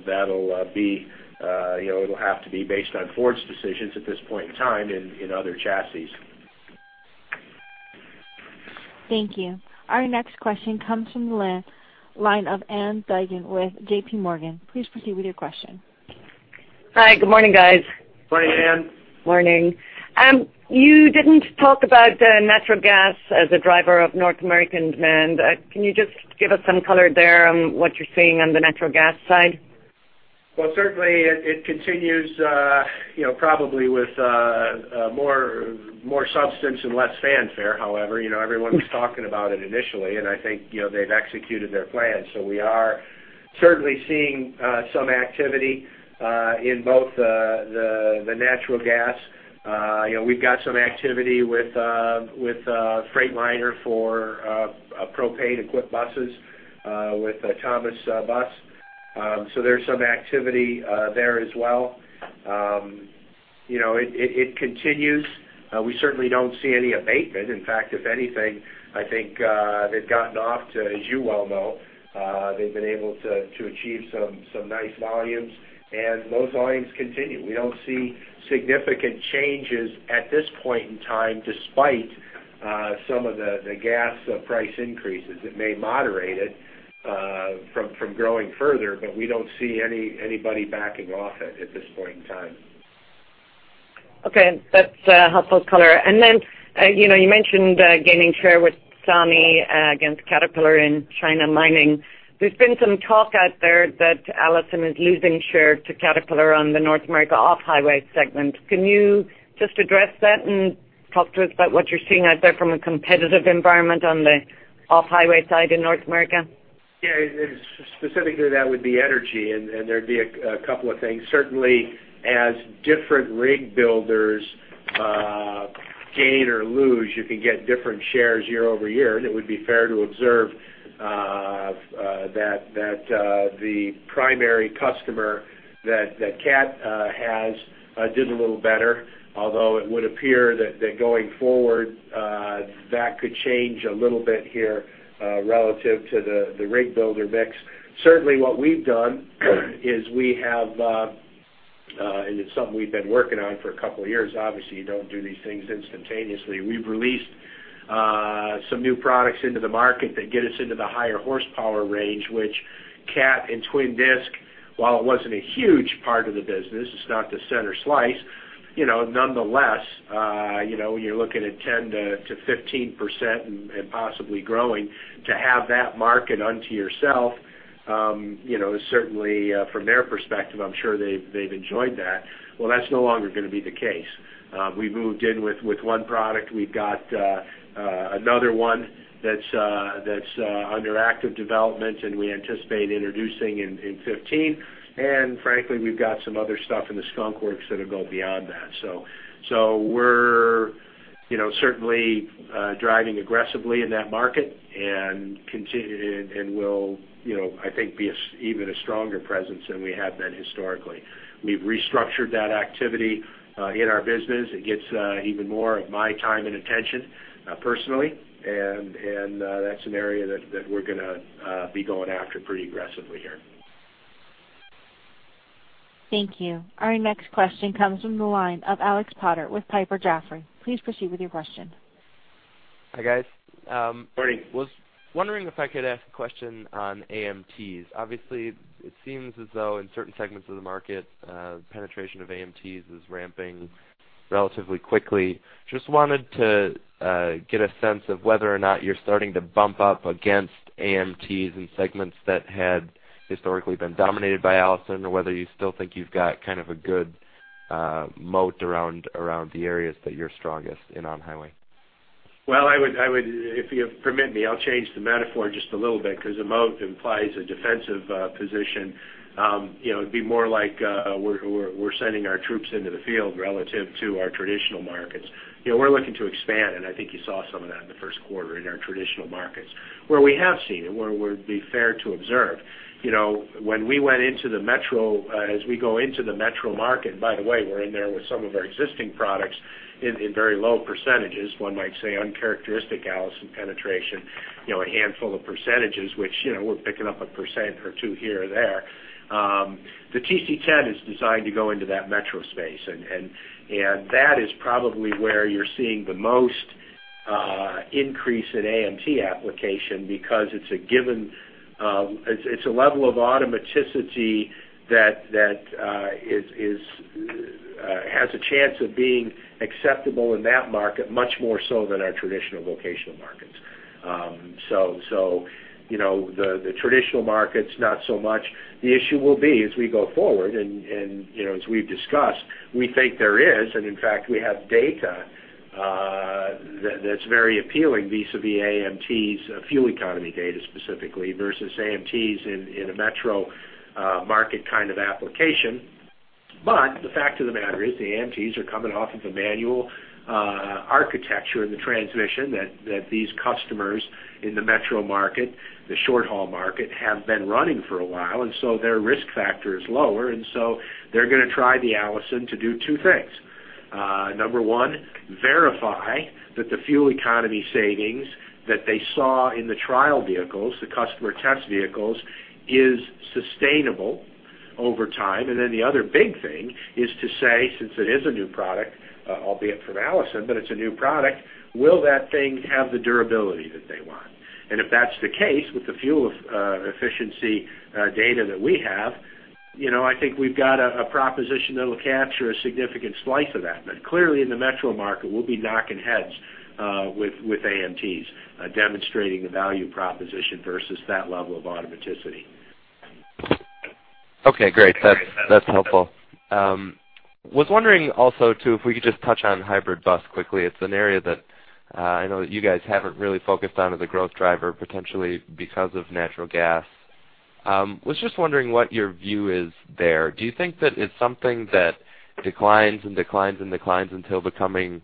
be based on Ford's decisions at this point in time in other chassis. Thank you. Our next question comes from the line of Ann Duignan with JPMorgan. Please proceed with your question. Hi, good morning, guys. Morning, Ann. Morning. You didn't talk about natural gas as a driver of North American demand. Can you just give us some color there on what you're seeing on the natural gas side? Well, certainly it continues, you know, probably with more substance and less fanfare. However, you know, everyone was talking about it initially, and I think, you know, they've executed their plan. So we are certainly seeing some activity in both the natural gas. You know, we've got some activity with Freightliner for a propane-equipped buses with Thomas Bus. So there's some activity there as well. You know, it continues. We certainly don't see any abatement. In fact, if anything, I think they've gotten off to, as you well know, they've been able to achieve some nice volumes, and those volumes continue. We don't see significant changes at this point in time, despite some of the gas price increases. It may moderate it from growing further, but we don't see anybody backing off it at this point in time. Okay, that's a helpful color. And then, you know, you mentioned gaining share with SANY against Caterpillar in China mining. There's been some talk out there that Allison is losing share to Caterpillar on the North America Off-Highway segment. Can you just address that and talk to us about what you're seeing out there from a competitive environment on the Off-Highway side in North America? Yeah, it's specifically that would be energy, and there'd be a couple of things. Certainly, as different rig builders gain or lose, you can get different shares year over year. And it would be fair to observe that the primary customer that Cat has did a little better, although it would appear that going forward that could change a little bit here relative to the rig builder mix. Certainly, what we've done is we have, and it's something we've been working on for a couple of years. Obviously, you don't do these things instantaneously. We've released some new products into the market that get us into the higher horsepower range, which Cat and Twin Disc, while it wasn't a huge part of the business, it's not the center slice, you know, nonetheless, you know, when you're looking at 10%-15% and possibly growing, to have that market unto yourself, you know, certainly, from their perspective, I'm sure they've enjoyed that. Well, that's no longer gonna be the case. We've moved in with one product. We've got another one that's under active development, and we anticipate introducing in 2015. And frankly, we've got some other stuff in the skunk works that'll go beyond that. So we're, you know, certainly driving aggressively in that market and continue and will, you know, I think, be even a stronger presence than we have been historically. We've restructured that activity in our business. It gets even more of my time and attention personally. And that's an area that we're gonna be going after pretty aggressively here. Thank you. Our next question comes from the line of Alex Potter with Piper Jaffray. Please proceed with your question. Hi, guys. Morning. Was wondering if I could ask a question on AMTs. Obviously, it seems as though in certain segments of the market, penetration of AMTs is ramping relatively quickly. Just wanted to get a sense of whether or not you're starting to bump up against AMTs in segments that had historically been dominated by Allison, or whether you still think you've got kind of a good moat around, around the areas that you're strongest in On-Highway? Well, I would, if you permit me, I'll change the metaphor just a little bit, because a moat implies a defensive position. You know, it'd be more like we're sending our troops into the field relative to our traditional markets. You know, we're looking to expand, and I think you saw some of that in the first quarter in our traditional markets, where we have seen it, where it would be fair to observe. You know, when we went into the metro, as we go into the metro market, by the way, we're in there with some of our existing products in very low percentages, one might say, uncharacteristic Allison penetration, you know, a handful of percentages, which, you know, we're picking up 1% or 2% here or there. The TC10 is designed to go into that metro space, and that is probably where you're seeing the most increase in AMT application because it's a given. It's a level of automaticity that has a chance of being acceptable in that market, much more so than our traditional vocational markets. So, you know, the traditional markets, not so much. The issue will be as we go forward and, you know, as we've discussed, we think there is, and in fact, we have data that's very appealing vis-à-vis AMT's fuel economy data, specifically versus AMTs in a metro market kind of application. But the fact of the matter is, the AMTs are coming off of a manual, architecture in the transmission that, that these customers in the metro market, the short-haul market, have been running for a while, and so their risk factor is lower, and so they're going to try the Allison to do two things. Number one, verify that the fuel economy savings that they saw in the trial vehicles, the customer test vehicles, is sustainable over time. And then the other big thing is to say, since it is a new product, albeit from Allison, but it's a new product, will that thing have the durability that they want? And if that's the case, with the fuel, efficiency, data that we have, you know, I think we've got a, a proposition that'll capture a significant slice of that. But clearly, in the metro market, we'll be knocking heads with AMTs, demonstrating the value proposition versus that level of automaticity. Okay, great. That's, that's helpful. Was wondering also, too, if we could just touch on hybrid bus quickly. It's an area that I know that you guys haven't really focused on as a growth driver, potentially because of natural gas. Was just wondering what your view is there. Do you think that it's something that declines and declines and declines until becoming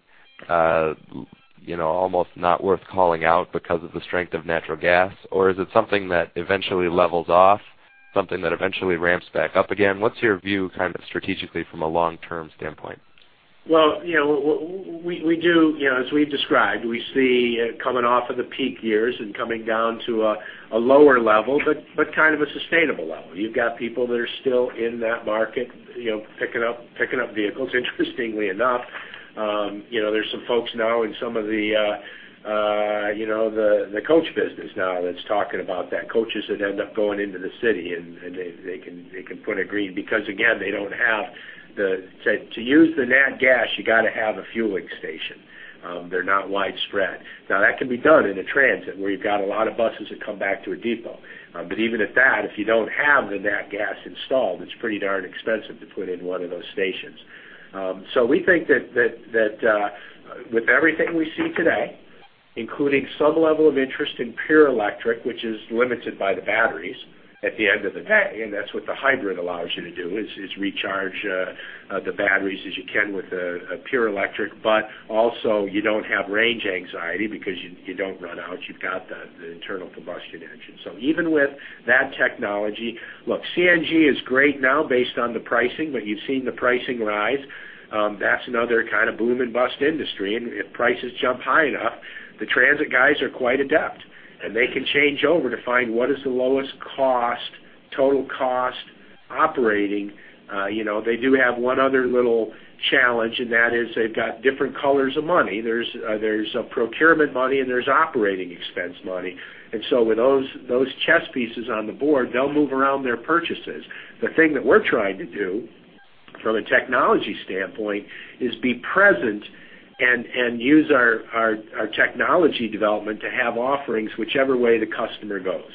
you know, almost not worth calling out because of the strength of natural gas? Or is it something that eventually levels off, something that eventually ramps back up again? What's your view, kind of strategically from a long-term standpoint? Well, you know, we do, you know, as we've described, we see coming off of the peak years and coming down to a lower level, but kind of a sustainable level. You've got people that are still in that market, you know, picking up vehicles. Interestingly enough, you know, there's some folks now in some of the, you know, the coach business now that's talking about that. Coaches that end up going into the city, and they can put a green because, again, they don't have to use the nat gas, you got to have a fueling station. They're not widespread. Now, that can be done in a transit, where you've got a lot of buses that come back to a depot. But even at that, if you don't have the nat gas installed, it's pretty darn expensive to put in one of those stations. So we think that with everything we see today, including some level of interest in pure electric, which is limited by the batteries, at the end of the day, and that's what the hybrid allows you to do, is recharge the batteries as you can with a pure electric, but also you don't have range anxiety because you don't run out. You've got the internal combustion engine. So even with that technology, look, CNG is great now based on the pricing, but you've seen the pricing rise. That's another kind of boom and bust industry, and if prices jump high enough, the transit guys are quite adept, and they can change over to find what is the lowest cost, total cost operating. You know, they do have one other little challenge, and that is they've got different colors of money. There's a procurement money, and there's operating expense money. And so with those chess pieces on the board, they'll move around their purchases. The thing that we're trying to do from a technology standpoint is be present and use our technology development to have offerings whichever way the customer goes.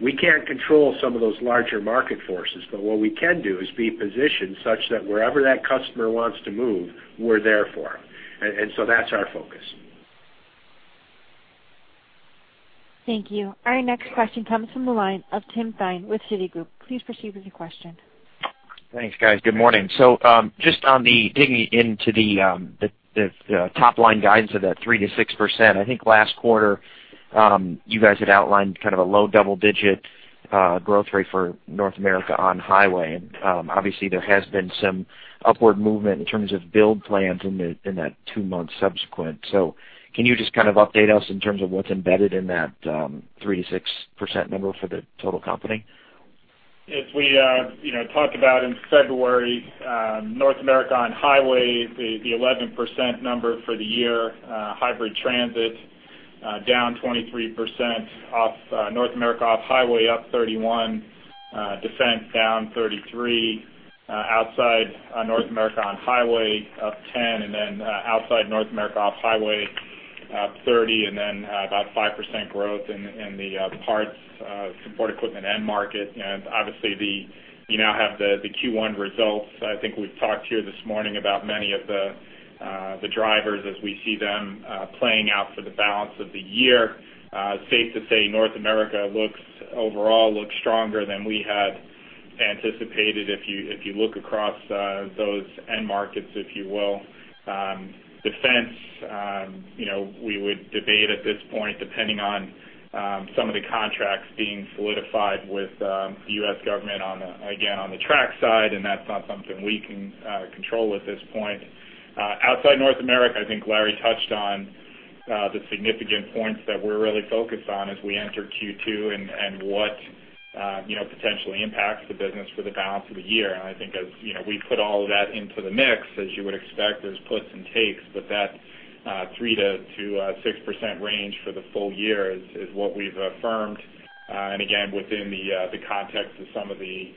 We can't control some of those larger market forces, but what we can do is be positioned such that wherever that customer wants to move, we're there for them. And so that's our focus. Thank you. Our next question comes from the line of Tim Thein with Citigroup. Please proceed with your question. Thanks, guys. Good morning. So, just digging into the top-line guidance of that 3%-6%, I think last quarter, you guys had outlined kind of a low double-digit growth rate for North America On-Highway. Obviously, there has been some upward movement in terms of build plans in that two-month subsequent. So can you just kind of update us in terms of what's embedded in that 3%-6% number for the total company? If we, you know, talked about in February, North America On-Highway, the 11% number for the year, Hybrid Transit down 23% off, North America Off-Highway up 31%, defense down 33%, outside North America On-Highway up 10%, and then outside North America Off-Highway 30%, and then about 5% growth in the parts, support equipment end market. Obviously, you now have the Q1 results. I think we've talked here this morning about many of the drivers as we see them playing out for the balance of the year. It's safe to say North America looks, overall, looks stronger than we had anticipated, if you, if you look across those end markets, if you will. Defense, you know, we would debate at this point, depending on, some of the contracts being solidified with, the U.S. government on the, again, on the track side, and that's not something we can, control at this point. Outside North America, I think Larry touched on, the significant points that we're really focused on as we enter Q2 and, and what, you know, potentially impacts the business for the balance of the year. And I think as, you know, we put all of that into the mix, as you would expect, there's puts and takes, but that, 3%-6% range for the full year is, what we've affirmed. And again, within the, the context of some of the,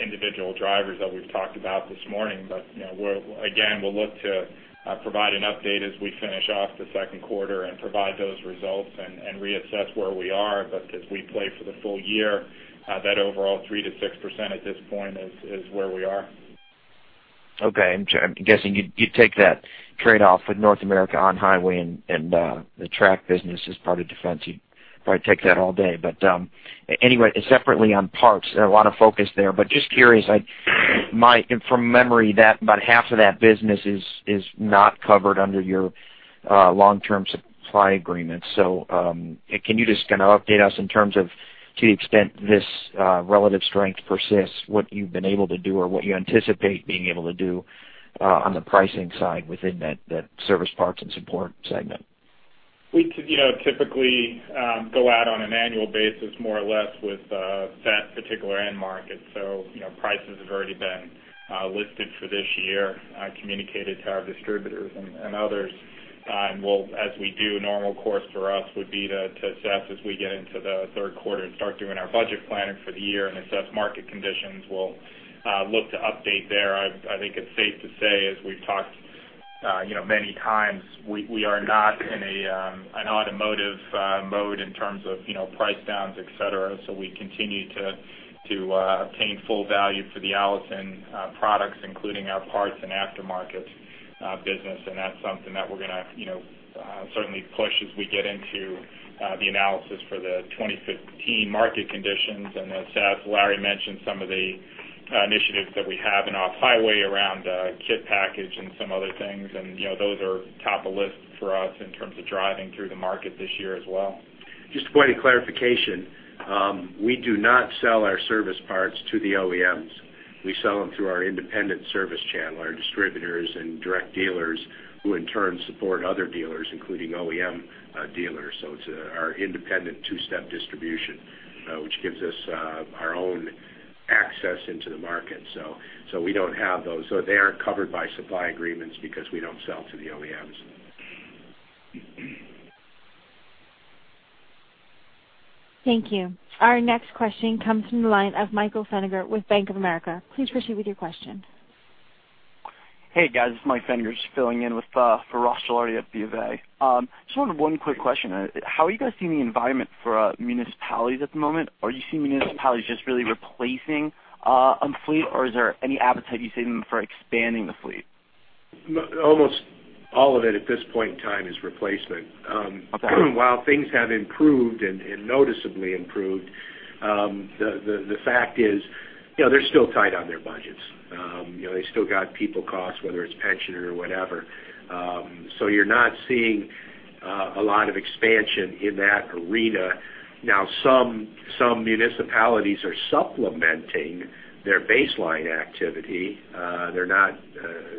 individual drivers that we've talked about this morning. But, you know, we're again, we'll look to provide an update as we finish off the second quarter and provide those results and reassess where we are. But as we play for the full year, that overall 3%-6% at this point is where we are. Okay. I'm guessing you'd, you'd take that trade-off with North America On-Highway and, and, the track business as part of defense. You'd probably take that all day. But, anyway, separately on parts, a lot of focus there, but just curious, like, my, from memory, that about half of that business is, is not covered under your, long-term supply agreement. So, can you just kind of update us in terms of, to the extent this, relative strength persists, what you've been able to do or what you anticipate being able to do, on the pricing side within that, that service parts and support segment? We, you know, typically go out on an annual basis, more or less, with that particular end market. So, you know, prices have already been listed for this year, communicated to our distributors and others. And we'll, as we do, normal course for us would be to assess as we get into the third quarter and start doing our budget planning for the year and assess market conditions, we'll look to update there. I think it's safe to say, as we've talked, you know, many times, we are not in an automotive mode in terms of, you know, price downs, et cetera. So we continue to obtain full value for the Allison products, including our parts and aftermarket business. That's something that we're gonna, you know, certainly push as we get into the analysis for the 2015 market conditions. And as Larry mentioned, some of the initiatives that we have in Off-Highway around kit package and some other things, and, you know, those are top of list for us in terms of driving through the market this year as well. Just a point of clarification, we do not sell our service parts to the OEMs. We sell them through our independent service channel, our distributors and direct dealers, who in turn support other dealers, including OEM dealers. So it's our independent two-step distribution, which gives us our own access into the market. So we don't have those. So they aren't covered by supply agreements because we don't sell to the OEMs. Thank you. Our next question comes from the line of Michael Feniger with Bank of America. Please proceed with your question. Hey, guys, it's Mike, I'm just filling in for Ross Gilardi at B of A. Just wanted one quick question. How are you guys seeing the environment for municipalities at the moment? Are you seeing municipalities just really replacing on fleet, or is there any appetite you see them for expanding the fleet? Almost all of it at this point in time is replacement. Okay. While things have improved and noticeably improved, the fact is, you know, they're still tight on their budgets. You know, they still got people costs, whether it's pensioner or whatever. So you're not seeing a lot of expansion in that arena. Now, some municipalities are supplementing their baseline activity. They're not,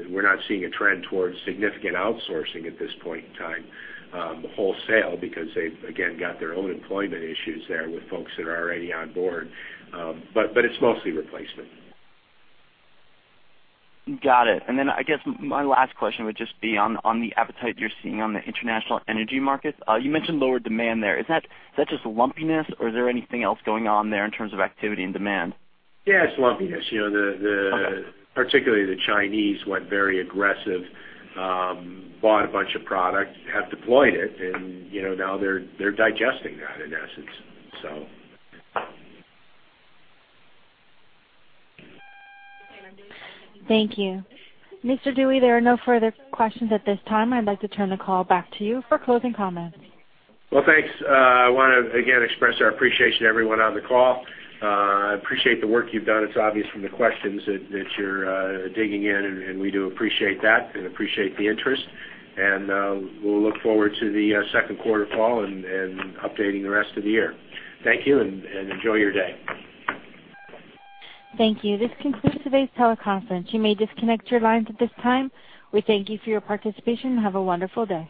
we're not seeing a trend towards significant outsourcing at this point in time, wholesale, because they've again got their own employment issues there with folks that are already on board. But it's mostly replacement. Got it. And then I guess my last question would just be on the appetite you're seeing on the international energy markets. You mentioned lower demand there. Is that just lumpiness, or is there anything else going on there in terms of activity and demand? Yeah, it's lumpiness. You know, the. Okay. Particularly the Chinese, went very aggressive, bought a bunch of product, have deployed it, and, you know, now they're, they're digesting that, in essence, so. Thank you. Mr. Dewey, there are no further questions at this time. I'd like to turn the call back to you for closing comments. Well, thanks. I wanna again express our appreciation to everyone on the call. I appreciate the work you've done. It's obvious from the questions that you're digging in, and we do appreciate that and appreciate the interest. We'll look forward to the second quarter call and updating the rest of the year. Thank you, and enjoy your day. Thank you. This concludes today's teleconference. You may disconnect your lines at this time. We thank you for your participation, and have a wonderful day.